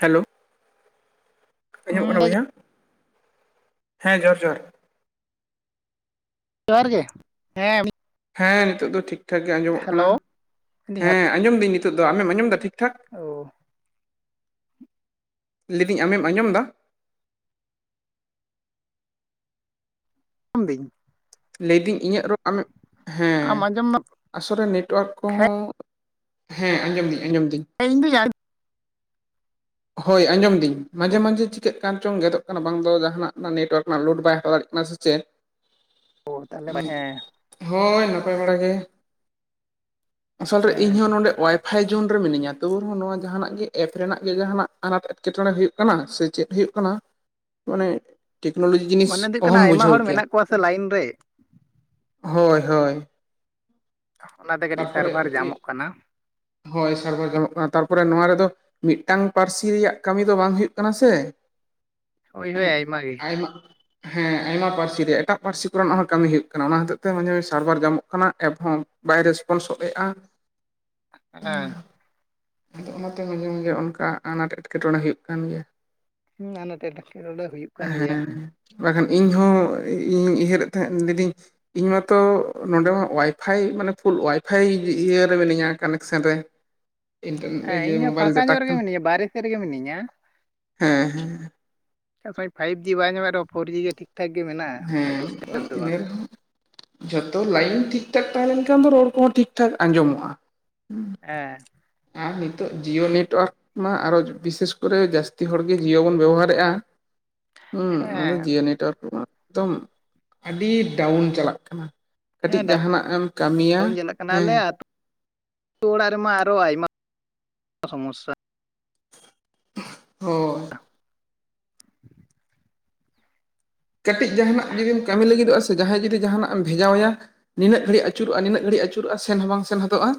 Hello. ᱟᱡᱚᱢᱚᱜ ᱠᱟᱱᱟ ᱦᱩᱸ ᱵᱚᱭᱦᱟ, ᱦᱮᱸ ᱡᱚᱦᱟᱨ ᱡᱚᱦᱟᱨ᱾ ᱡᱚᱦᱟᱨ ᱜᱮ ᱦᱮᱸ ᱦᱮᱸ ᱱᱤᱛᱚᱜ ᱫᱚ ᱴᱷᱤᱠ ᱴᱷᱟᱠ ᱜᱮ ᱟᱸᱡᱚᱢᱚᱜ ᱠᱟᱱᱟ᱾ ᱦᱮᱞᱳ ᱦᱮᱞᱳ ᱦᱮᱸ ᱟᱸᱡᱚᱢ ᱫᱟᱹᱧ ᱱᱤᱛᱚᱜ ᱫᱚ, ᱟᱢᱮᱢ ᱟᱸᱡᱚᱢ ᱫᱟ ᱴᱷᱤᱠ ᱴᱷᱟᱠ? ᱳ ᱞᱮᱫᱤᱹᱧ ᱟᱢᱮᱢ ᱟᱸᱡᱚᱢ ᱫᱟ? [unintelligible] ᱞᱮᱭᱫᱤᱹᱧ ᱤᱧᱟᱹᱜ ᱨᱚᱲ ᱟᱢᱮᱢ ᱟᱢ ᱦᱮᱸ᱾ ᱟᱸᱡᱚᱢ ᱫᱟᱢ ᱟᱥᱚᱞ ᱨᱮ ᱱᱮᱴᱚᱣᱟᱨᱠ ᱦᱮᱸ ᱠᱚᱦᱚᱸ ᱦᱮᱸ ᱟᱸᱡᱚᱢ ᱫᱟᱹᱧ ᱟᱸᱡᱚᱢ ᱫᱟᱹᱧ᱾ [unintelligible] [unintelligible] ᱦᱳᱭ ᱟᱸᱡᱚᱢ ᱫᱟᱹᱧ᱾ ᱢᱟᱡᱷᱮ ᱳ ᱢᱟᱡᱷᱮ ᱪᱤᱠᱟᱹᱜ ᱠᱟᱱ ᱪᱚᱝ ᱜᱮᱫᱚᱜ ᱠᱟᱱᱟ ᱵᱟᱝ ᱫᱚ ᱡᱟᱦᱟᱱᱟᱜ ᱱᱮᱴᱚᱣᱟᱨᱠ ᱨᱮᱱᱟᱜ ᱞᱳᱰ ᱵᱟᱭ ᱦᱟᱛᱟᱣ ᱫᱟᱲᱮᱭᱟᱜ ᱠᱟᱱᱟ ᱥᱮ ᱪᱮ? [unintelligible] [unintelligible] ᱦᱮᱸ, ᱦᱳᱭ, ᱱᱟᱯᱟᱭ ᱵᱟᱲᱟ ᱜᱮ᱾ ᱟᱥᱚᱞ ᱨᱮ ᱦᱮᱸ ᱤᱧᱦᱚᱸ ᱱᱚᱰᱮ ᱚᱣᱟᱭ ᱯᱷᱟᱭ ᱡᱩᱱ ᱨᱮ ᱢᱤᱱᱟᱹᱧᱟ ᱛᱚᱵᱩ ᱨᱮᱦᱚᱸ ᱱᱚᱣᱟ ᱡᱟᱦᱟ ᱱᱟᱜ ᱜᱮ ᱮᱯ ᱨᱮᱱᱟᱜᱼᱼ ᱜᱮ ᱡᱟᱦᱟᱱᱟᱜ ᱟᱱᱟᱴ ᱮᱴᱠᱮ ᱴᱚᱬᱮ ᱦᱩᱭᱩᱜ ᱠᱟᱱᱟ ᱥᱮ ᱪᱮᱫ ᱦᱩᱭᱩᱜ ᱠᱟᱱᱟ ᱢᱟᱱᱮ ᱴᱮᱠᱱᱳ ᱞᱚᱡᱤ ᱡᱤᱱᱤᱥ ᱢᱚᱱᱮ ᱫᱚ ᱦᱩᱭᱩᱜ ᱠᱟᱱᱟ ᱚᱦᱚᱢ ᱟᱭᱢᱟ ᱵᱩᱡᱷᱟᱹᱣ ᱦᱚᱲ ᱠᱮᱭᱟ, ᱢᱮᱱᱟᱜ ᱠᱚᱣᱟ ᱥᱮ ᱞᱟᱭᱤᱱ ᱨᱮ ᱦᱚᱭ ᱦᱚᱭ᱾ [unintelligible] ᱛᱟᱨᱯᱚᱨᱮ ᱤᱭᱤᱜ, ᱡᱟᱢᱚᱜ ᱠᱟᱱᱟ ᱦᱚᱭ ᱥᱟᱜᱚᱨ‌ ᱡᱚᱢᱚᱜ ᱠᱟᱱ ᱛᱟᱨᱯᱚᱨᱮ ᱱᱚᱣᱟ ᱨᱮᱫᱚᱼᱼ ᱢᱤᱫᱴᱟᱝ ᱯᱟᱨᱥᱤ ᱨᱮᱭᱟᱜ ᱠᱟᱢᱤ ᱫᱚ ᱵᱟᱝ ᱦᱩᱭᱩᱜ ᱠᱟᱱᱟ ᱥᱮ᱾ ᱦᱳᱭ ᱦᱳᱭ ᱢᱟᱱᱮᱜ ᱟᱭᱢᱟ ᱜᱮ ᱟᱭᱢᱟᱜᱼᱼ ᱦᱮᱸ ᱟᱭᱢᱟ ᱯᱟᱨᱥᱤ ᱨᱮᱭᱟᱜ ᱮᱴᱟᱜ ᱯᱟᱨᱥᱤ ᱠᱚᱨᱮ ᱱᱟᱜ ᱦᱚᱸ ᱠᱟᱢᱤ ᱦᱩᱭᱩᱜ ᱠᱟᱱᱟ ᱚᱱᱟ ᱦᱚᱛᱮᱡ ᱛᱮ ᱢᱟᱸᱡᱷᱮ ᱢᱟᱸᱡᱷ ᱥᱟᱨᱵᱷᱟᱨ ᱡᱟᱢᱚᱜ ᱠᱟᱱᱟ ᱮᱯ ᱦᱚᱸ ᱵᱟᱭ ᱨᱮᱥᱼᱼ [unintelligible] ᱦᱮᱸ᱾ ᱟᱫᱚ ᱚᱱᱟ ᱛᱮ ᱢᱟᱸᱡᱷᱮ ᱢᱟᱡᱷᱮ ᱚᱱᱠᱟ ᱟᱱᱟᱴ ᱮᱴᱠᱮᱴᱚᱬᱮ ᱦᱩᱭᱩᱜ ᱠᱟᱱ ᱜᱮᱭᱟ᱾ ᱦᱩᱸ ᱟᱱᱟᱴ ᱮᱴᱠᱮᱴᱚᱬᱮ ᱦᱩᱭᱩᱜ ᱠᱟᱱ ᱜᱮᱭᱟ᱾ ᱦᱮᱸ ᱵᱟᱠᱷᱟᱱ ᱤᱧᱦᱚᱸ ᱤᱧ ᱩᱭᱦᱟᱹᱨᱮᱫ ᱛᱟᱦᱮᱸᱜ ᱞᱤᱭ ᱫᱤᱧᱼᱼ ᱤᱧ ᱢᱟᱛᱚ ᱱᱚᱸᱰᱮ ᱦᱚᱸ ᱣᱟᱭᱼᱯᱷᱟᱭ ᱢᱟᱱᱮ ᱯᱷᱩᱞ ᱣᱟᱭᱼᱼ ᱯᱷᱟᱭ ᱤᱭᱟᱹ ᱨᱮ ᱢᱤᱱᱟᱹᱧᱟ ᱠᱟᱱᱮᱠ ᱥᱮᱱ ᱨᱮ᱾ ᱤᱱᱴᱟᱨᱱᱮᱴ ᱨᱮ ᱦᱮᱸ ᱡᱮ ᱤᱧ ᱦᱚᱸ ᱢᱳᱵᱟᱭᱤᱞ ᱯᱷᱟᱸᱠᱟ ᱰᱟᱴᱟ ᱧᱚᱜ ᱨᱮᱜᱮ ᱠᱷᱟᱱ ᱢᱤᱱᱟᱹᱧᱟ ᱵᱟᱦᱨᱮ ᱥᱮᱜ ᱨᱮᱜᱮ ᱢᱤᱱᱟᱹᱧᱟ᱾ ᱦᱮᱸ ᱦᱮᱸ ᱟᱪᱪᱷᱟ ᱯᱷᱟᱭᱤᱵᱽ ᱡᱤ ᱵᱟᱭ ᱧᱟᱢᱮᱜ ᱨᱮᱦᱚᱸ ᱯᱷᱳᱨ ᱡᱤ ᱜᱮ ᱴᱷᱤᱠ ᱴᱷᱟᱠ ᱜᱮ ᱢᱮᱱᱟᱜ-ᱟ ᱚᱱᱮ ᱰᱤᱥᱴᱟᱵᱽ ᱦᱮᱸ ᱫᱚ ᱤᱱᱟᱹ ᱵᱟᱝ᱾ ᱨᱮᱦᱚᱸ ᱡᱷᱚᱛᱚ ᱞᱟᱭᱤᱱ ᱴᱷᱤᱠ ᱴᱷᱟᱠ ᱛᱟᱦᱮᱸ ᱞᱮᱱᱠᱷᱟᱱ ᱫᱚ ᱨᱚᱲ ᱠᱚᱦᱚᱸ ᱴᱷᱤᱠ ᱴᱷᱟᱠ ᱟᱸᱡᱚᱢᱚᱜ-ᱟ, ᱦᱸᱩ᱾ ᱮᱸ᱾ ᱟᱸᱨ ᱱᱤᱛᱚᱜ ᱡᱤᱭᱳ ᱱᱮᱴᱣᱚᱨᱠᱼᱼ ᱢᱟ ᱟᱨᱚ ᱡᱚ ᱵᱤᱥᱮᱥ ᱠᱚᱨᱮ ᱡᱟᱹᱥᱛᱤ ᱦᱚᱲ ᱜᱮ ᱡᱤᱭᱳ ᱵᱚᱱ ᱵᱮᱵᱚᱦᱟᱨᱮᱜ-ᱟ᱾ ᱦᱩᱸ ᱟᱫᱚ ᱦᱮᱸ ᱡᱤᱭᱳ ᱱᱮᱴᱣᱚᱨᱠ ᱠᱩᱢᱟ‌ ᱮᱠᱫᱚᱢ ᱟᱹᱰᱤ ᱰᱟᱣᱩᱱ ᱪᱟᱞᱟᱜ ᱠᱟᱱᱟ᱾ ᱠᱟᱹᱴᱤᱡ ᱦᱮᱸ ᱡᱟᱦᱟᱸ ᱱᱟᱜ ᱮᱢ ᱠᱟᱢᱤᱭᱟ, ᱦᱮᱸᱼᱼ ᱟᱛᱳ ᱚᱲᱟᱜ ᱨᱮᱢᱟ ᱟᱨᱚ ᱟᱭᱢᱟ [unintelligible] ᱥᱚᱢᱚᱥᱥᱟᱼᱼ ᱦᱚᱭ᱾ ᱠᱟᱹᱴᱤᱡ ᱡᱟᱦᱟᱸ ᱱᱟᱜ ᱡᱩᱫᱤᱢ ᱠᱟᱢᱤ ᱞᱟᱹᱜᱤᱫᱚᱜ-ᱟ ᱥᱮ ᱡᱟᱦᱟᱸᱭ ᱡᱩᱫᱤ ᱡᱟᱦᱟᱸ ᱱᱟᱜ ᱮᱢ ᱵᱷᱮᱡᱟ ᱣᱟᱭᱟᱼᱼ ᱱᱤᱱᱟᱹᱜ ᱜᱟᱹᱲᱤᱜ ᱟᱹᱪᱩᱨᱚᱜ-ᱟ ᱱᱤᱱᱟᱹᱜ ᱜᱟᱹᱲᱤᱜ ᱟᱹᱪᱩᱨᱚᱜ-ᱟ ᱥᱮᱱ ᱦᱚᱸ ᱵᱟᱝ ᱥᱮᱱ ᱦᱚᱫᱚᱜ-ᱟ᱾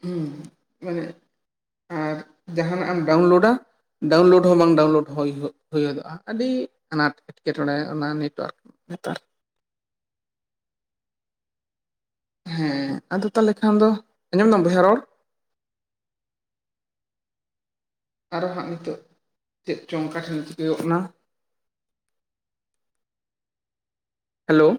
ᱦᱩᱸ ᱢᱟᱱᱮ ᱟᱨ ᱡᱟᱦᱟᱸ ᱱᱟᱜ ᱮᱢ ᱰᱟᱣᱩᱱ ᱞᱳᱰᱟᱼᱼ ᱰᱟᱣᱩᱱ ᱞᱳᱰ ᱦᱚᱸ ᱵᱟᱝ ᱰᱟᱣᱩᱱ ᱞᱳᱰ ᱦᱚᱭ ᱦᱩᱭ ᱦᱚᱫᱚᱜ-ᱟ ᱟᱹᱰᱤ ᱟᱱᱟᱴ᱾ ᱮᱴᱠᱮᱴᱚᱬᱮ ᱚᱱᱟ ᱱᱮᱴᱣᱚᱨᱠ ᱱᱮᱛᱟᱨ᱾ ᱦᱮᱸ ᱟᱫᱚ ᱛᱟᱦᱚᱞᱮ ᱠᱷᱟᱱ ᱫᱚ ᱟᱸᱡᱚᱢ ᱫᱟᱢ ᱵᱚᱭᱦᱟ ᱨᱚᱲ? ᱟᱨᱚ ᱦᱟᱸᱜ ᱱᱤᱛᱚᱜ ᱪᱮᱫ ᱪᱚᱝ ᱚᱠᱟ ᱴᱷᱮᱱ ᱪᱤᱠᱟᱹ ᱜᱚᱜ ᱱᱟᱼᱼ ᱦᱮᱞᱳᱣ᱾